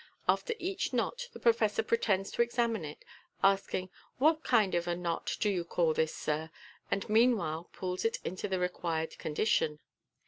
After each knot the professor pretends to examine it, asking, " What kind of a knot do you call this, sir >" and meanwhile pulls it into the required condition.